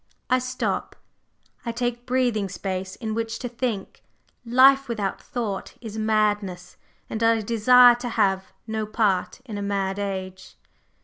I stop, I take breathing space in which to think; life without thought is madness, and I desire to have no part in a mad age."